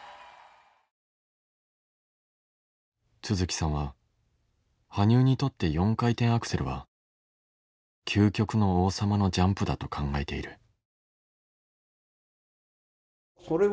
都築さんは羽生にとって４回転アクセルは究極の王様のジャンプだと考えている。